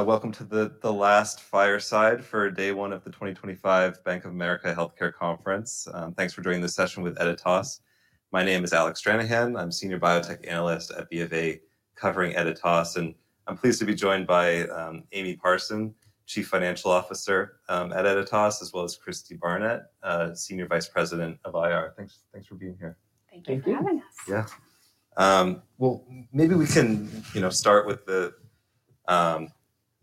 Welcome to the last fireside for Day 1 of the 2025 Bank of America Healthcare Conference. Thanks for joining this session with Editas. My name is Alex Stranahan. I'm Senior Biotech Analyst at BofA, covering Editas. I'm pleased to be joined by Amy Parson, Chief Financial Officer at Editas Medicine, as well as Christy Barnett, Senior Vice President of IR. Thanks for being here. Thank you for having us. Yeah. Maybe we can start with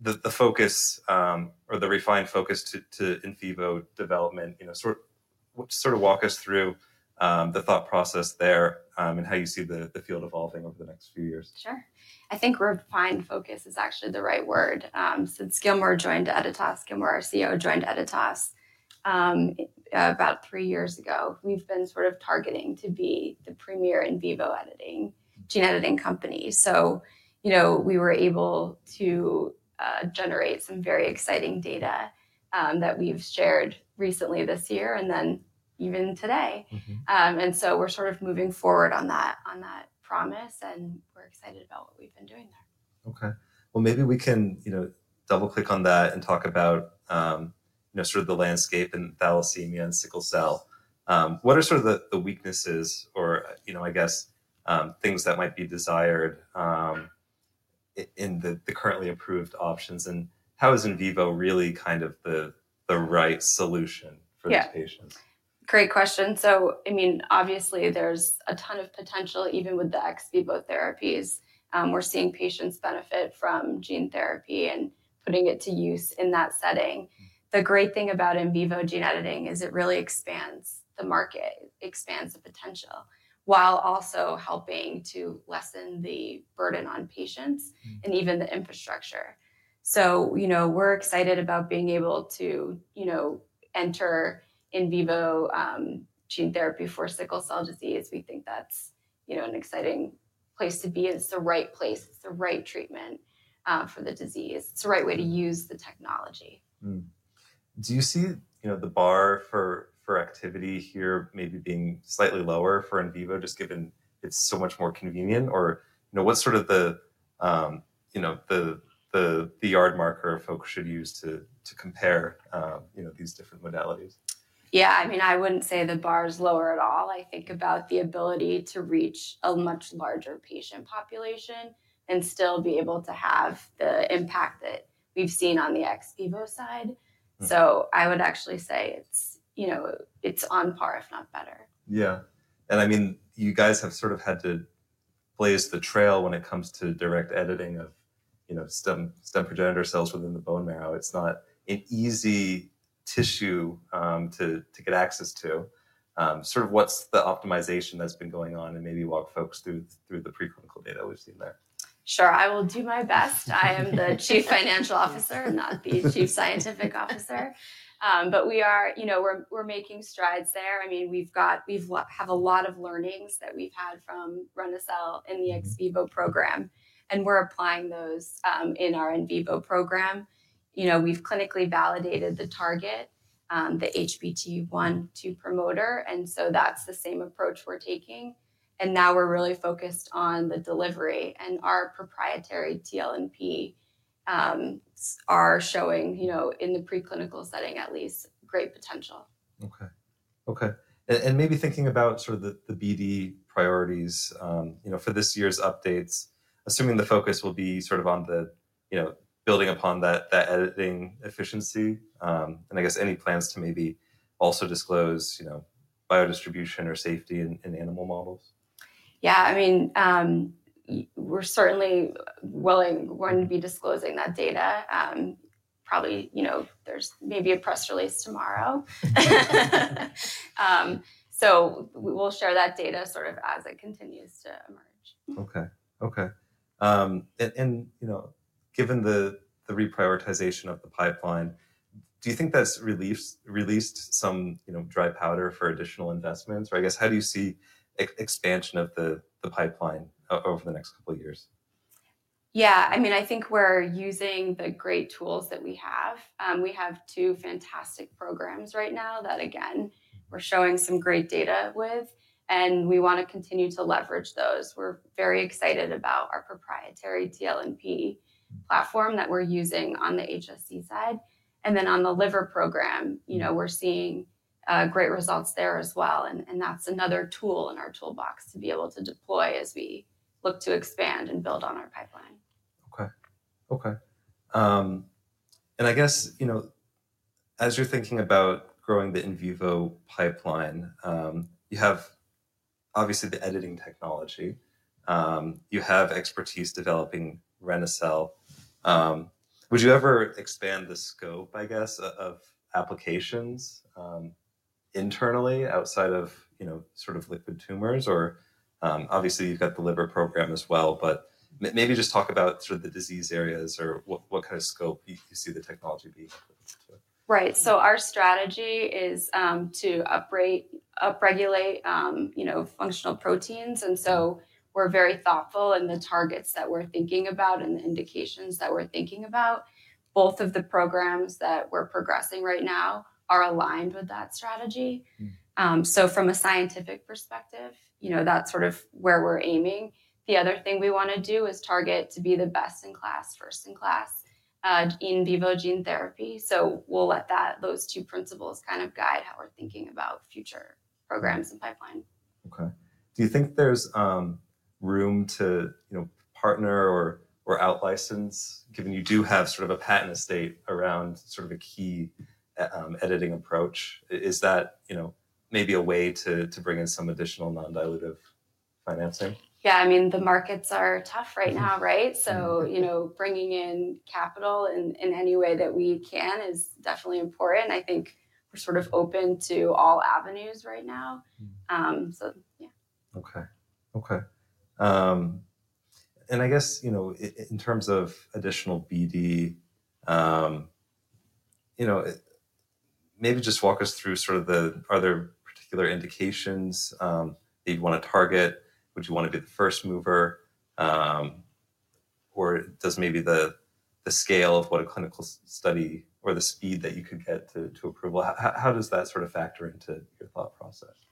the focus or the refined focus to in vivo development. Sort of walk us through the thought process there and how you see the field evolving over the next few years? Sure. I think refined focus is actually the right word. Since Gilmore joined Editas, Gilmore, our CEO, joined Editas about three years ago, we've been sort of targeting to be the premier in vivo gene editing company. We were able to generate some very exciting data that we've shared recently this year and then even today. We are sort of moving forward on that promise. We are excited about what we've been doing there. OK. Maybe we can double-click on that and talk about sort of the landscape in thalassemia and sickle cell. What are sort of the weaknesses or, I guess, things that might be desired in the currently approved options? How is in vivo really kind of the right solution for these patients? Great question. I mean, obviously, there's a ton of potential. Even with the ex vivo therapies, we're seeing patients benefit from gene therapy and putting it to use in that setting. The great thing about in vivo gene editing is it really expands the market, expands the potential, while also helping to lessen the burden on patients and even the infrastructure. We're excited about being able to enter in vivo gene therapy for sickle cell disease. We think that's an exciting place to be. It's the right place. It's the right treatment for the disease. It's the right way to use the technology. Do you see the bar for activity here maybe being slightly lower for in vivo, just given it's so much more convenient? Or what's sort of the yard marker folks should use to compare these different modalities? Yeah. I mean, I wouldn't say the bar is lower at all. I think about the ability to reach a much larger patient population and still be able to have the impact that we've seen on the ex vivo side. I would actually say it's on par, if not better. Yeah. I mean, you guys have sort of had to blaze the trail when it comes to direct editing of stem progenitor cells within the bone marrow. It's not an easy tissue to get access to. Sort of what's the optimization that's been going on and maybe walk folks through the preclinical data we've seen there? Sure. I will do my best. I am the Chief Financial Officer and not the Chief Scientific Officer. We're making strides there. I mean, we have a lot of learnings that we've had from Reni-cel in the ex vivo program. We're applying those in our in vivo program. We've clinically validated the target, the HBG1/2 promoter. That's the same approach we're taking. Now we're really focused on the delivery. Our proprietary tLNPs are showing, in the preclinical setting at least, great potential. OK. OK. Maybe thinking about sort of the BD priorities for this year's updates, assuming the focus will be sort of on building upon that editing efficiency and, I guess, any plans to maybe also disclose biodistribution or safety in animal models? Yeah. I mean, we're certainly willing, one, to be disclosing that data. Probably there's maybe a press release tomorrow. So we will share that data sort of as it continues to emerge. OK. OK. Given the reprioritization of the pipeline, do you think that's released some dry powder for additional investments? I guess, how do you see expansion of the pipeline over the next couple of years? Yeah. I mean, I think we're using the great tools that we have. We have two fantastic programs right now that, again, we're showing some great data with. We want to continue to leverage those. We're very excited about our proprietary tLNP platform that we're using on the HSC side. On the liver program, we're seeing great results there as well. That's another tool in our toolbox to be able to deploy as we look to expand and build on our pipeline. OK. OK. I guess, as you're thinking about growing the in vivo pipeline, you have, obviously, the editing technology. You have expertise developing Reni-cel. Would you ever expand the scope, I guess, of applications internally outside of sort of liquid tumors? Obviously, you've got the liver program as well. Maybe just talk about sort of the disease areas or what kind of scope you see the technology being able to? Right. Our strategy is to upregulate functional proteins. We are very thoughtful in the targets that we are thinking about and the indications that we are thinking about. Both of the programs that we are progressing right now are aligned with that strategy. From a scientific perspective, that is sort of where we are aiming. The other thing we want to do is target to be the best in class, first in class in vivo gene therapy. We will let those two principles guide how we are thinking about future programs and pipeline. OK. Do you think there's room to partner or out-license, given you do have sort of a patent estate around sort of a key editing approach? Is that maybe a way to bring in some additional non-dilutive financing? Yeah. I mean, the markets are tough right now, right? Bringing in capital in any way that we can is definitely important. I think we're sort of open to all avenues right now. Yeah. OK. OK. I guess, in terms of additional BD, maybe just walk us through sort of the other particular indications that you'd want to target. Would you want to be the first mover? Does maybe the scale of what a clinical study or the speed that you could get to approval? How does that sort of factor into your thought process?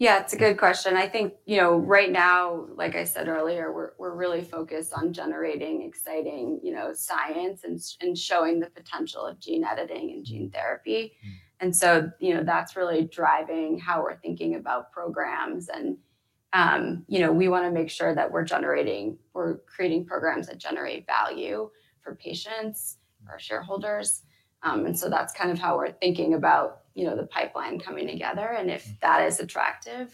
Yeah. It's a good question. I think right now, like I said earlier, we're really focused on generating exciting science and showing the potential of gene editing and gene therapy. That is really driving how we're thinking about programs. We want to make sure that we're generating, we're creating programs that generate value for patients, for our shareholders. That is kind of how we're thinking about the pipeline coming together. If that is attractive,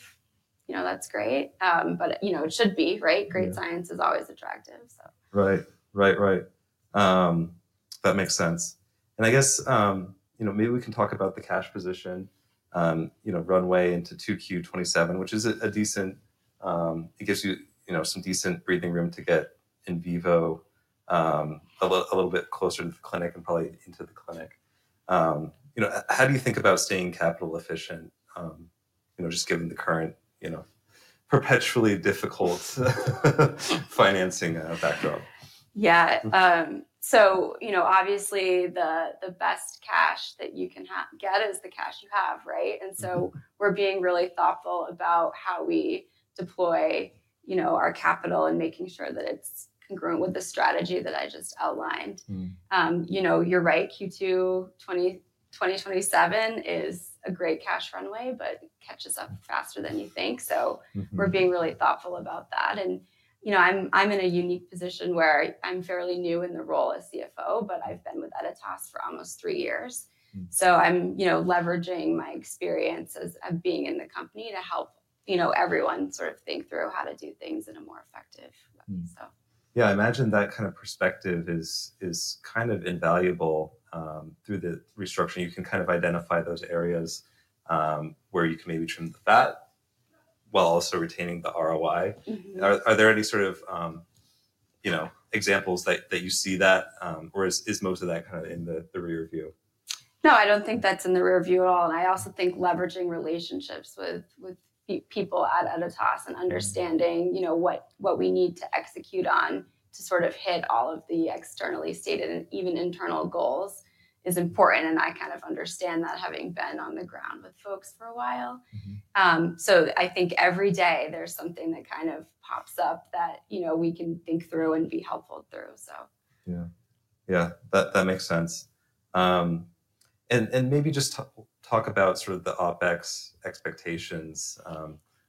that's great. It should be, right? Great science is always attractive. Right. Right, right. That makes sense. I guess maybe we can talk about the cash position, runway into 2Q 2027, which is a decent, it gives you some decent breathing room to get in vivo a little bit closer to the clinic and probably into the clinic. How do you think about staying capital efficient, just given the current perpetually difficult financing backdrop? Yeah. Obviously, the best cash that you can get is the cash you have, right? We are being really thoughtful about how we deploy our capital and making sure that it is congruent with the strategy that I just outlined. You are right, Q2 2027 is a great cash runway, but it catches up faster than you think. We are being really thoughtful about that. I am in a unique position where I am fairly new in the role as CFO, but I have been with Editas for almost three years. I am leveraging my experiences of being in the company to help everyone sort of think through how to do things in a more effective way. Yeah. I imagine that kind of perspective is kind of invaluable through the restructuring. You can kind of identify those areas where you can maybe trim the fat while also retaining the ROI. Are there any sort of examples that you see that? Or is most of that kind of in the rearview? No. I don't think that's in the rearview at all. I also think leveraging relationships with people at Editas and understanding what we need to execute on to sort of hit all of the externally stated and even internal goals is important. I kind of understand that having been on the ground with folks for a while. I think every day there's something that kind of pops up that we can think through and be helpful through. Yeah. Yeah. That makes sense. Maybe just talk about sort of the OPEX expectations,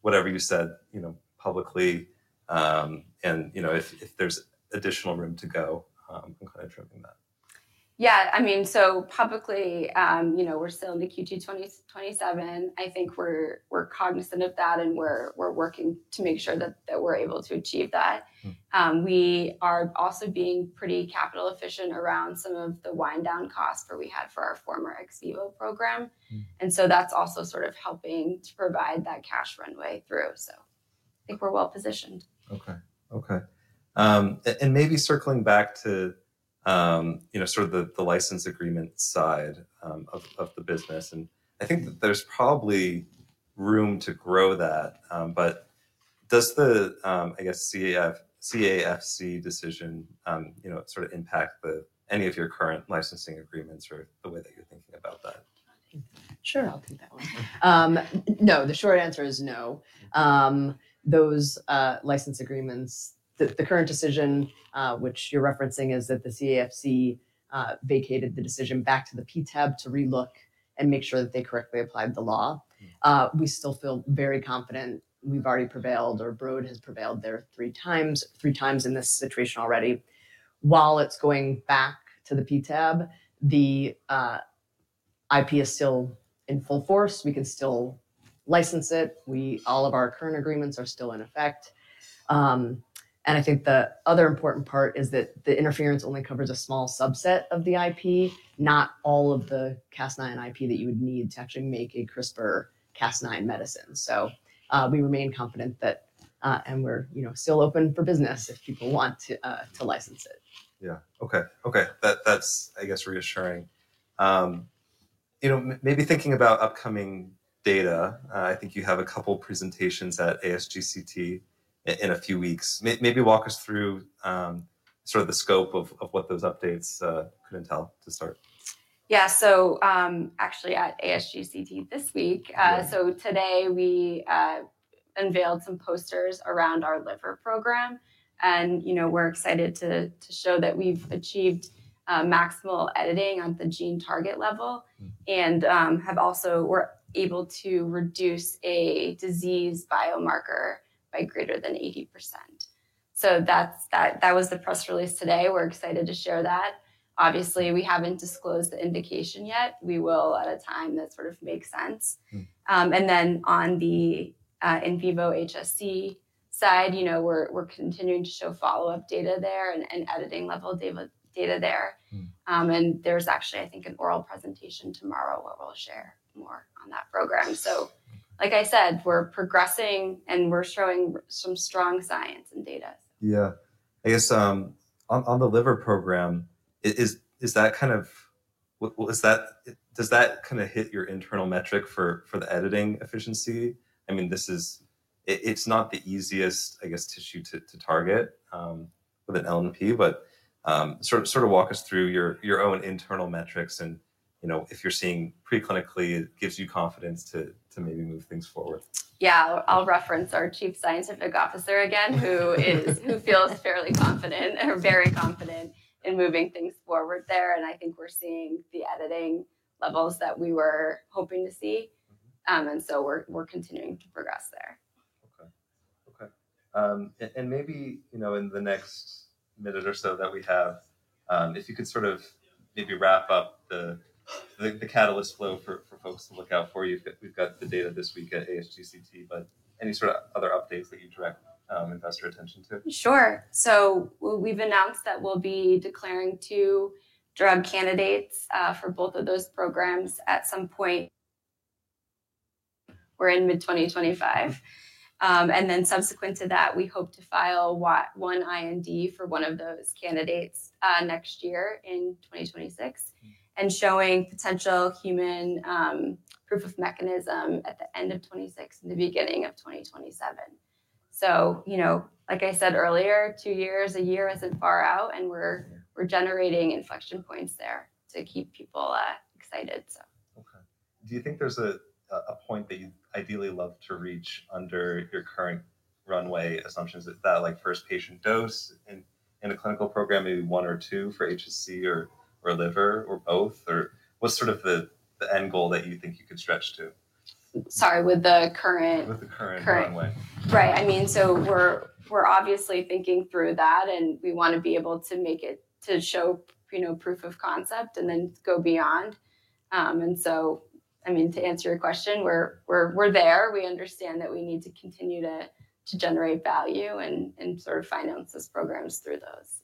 whatever you said publicly. If there's additional room to go, I'm kind of trimming that. Yeah. I mean, so publicly, we're still in the Q2 2027. I think we're cognizant of that. I think we're working to make sure that we're able to achieve that. We are also being pretty capital efficient around some of the wind-down costs that we had for our former ex vivo program. That's also sort of helping to provide that cash runway through. I think we're well positioned. OK. OK. Maybe circling back to sort of the license agreement side of the business. I think that there's probably room to grow that. Does the, I guess, CAFC decision sort of impact any of your current licensing agreements or the way that you're thinking about that? Sure. I'll take that one. No. The short answer is no. Those license agreements, the current decision, which you're referencing, is that the CAFC vacated the decision back to the PTAB to relook and make sure that they correctly applied the law. We still feel very confident. We've already prevailed, or Broad has prevailed there three times, three times in this situation already. While it's going back to the PTAB, the IP is still in full force. We can still license it. All of our current agreements are still in effect. I think the other important part is that the interference only covers a small subset of the IP, not all of the Cas9 IP that you would need to actually make a CRISPR-Cas9 medicine. We remain confident that, and we're still open for business if people want to license it. Yeah. OK. OK. That's, I guess, reassuring. Maybe thinking about upcoming data, I think you have a couple of presentations at ASGCT in a few weeks. Maybe walk us through sort of the scope of what those updates could entail to start. Yeah. So actually at ASGCT this week, today we unveiled some posters around our liver program. We're excited to show that we've achieved maximal editing on the gene target level and have also were able to reduce a disease biomarker by greater than 80%. That was the press release today. We're excited to share that. Obviously, we haven't disclosed the indication yet. We will at a time that sort of makes sense. On the in vivo HSC side, we're continuing to show follow-up data there and editing level data there. There's actually, I think, an oral presentation tomorrow where we'll share more on that program. Like I said, we're progressing. We're showing some strong science and data. Yeah. I guess on the liver program, is that kind of, does that kind of hit your internal metric for the editing efficiency? I mean, it's not the easiest, I guess, tissue to target with an LNP. But sort of walk us through your own internal metrics and if you're seeing preclinically it gives you confidence to maybe move things forward. Yeah. I'll reference our Chief Scientific Officer again, who feels fairly confident, very confident in moving things forward there. I think we're seeing the editing levels that we were hoping to see. We're continuing to progress there. OK. OK. And maybe in the next minute or so that we have, if you could sort of maybe wrap up the catalyst flow for folks to look out for. We've got the data this week at ASGCT. But any sort of other updates that you'd direct investor attention to? Sure. So we've announced that we'll be declaring two drug candidates for both of those programs at some point. We're in mid-2025. Then subsequent to that, we hope to file one IND for one of those candidates next year in 2026 and showing potential human proof of mechanism at the end of 2026 and the beginning of 2027. Like I said earlier, two years, a year isn't far out. We're generating inflection points there to keep people excited, so. OK. Do you think there's a point that you'd ideally love to reach under your current runway assumptions? Is that like first patient dose in a clinical program, maybe one or two for HSC or liver or both? Or what's sort of the end goal that you think you could stretch to? Sorry. With the current. With the current runway. Right. I mean, so we're obviously thinking through that. We want to be able to make it to show proof of concept and then go beyond. I mean, to answer your question, we're there. We understand that we need to continue to generate value and sort of finance those programs through those,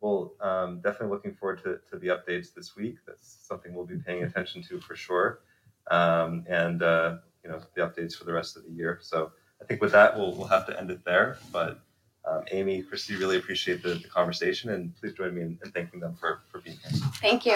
so. OK. OK. Definitely looking forward to the updates this week. That's something we'll be paying attention to for sure. And the updates for the rest of the year. I think with that, we'll have to end it there. Amy, Christy, really appreciate the conversation. Please join me in thanking them for being here. Thank you.